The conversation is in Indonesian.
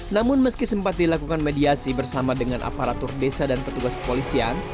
namun meski sempat dilakukan mediasi bersama dengan aparatur desa dan petugas kepolisian